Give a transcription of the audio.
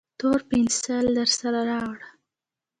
تور پینسیل درسره راوړه